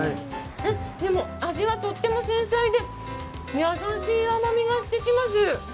でも味はとっても繊細で優しい甘みがしてきます。